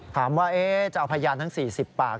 ถามว่าจะเอาพยานทั้ง๔๐ปาก